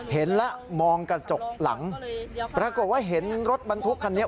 เห็นแล้วมองกระจกหลังปรากฏว่าเห็นรถบรรทุกคันนี้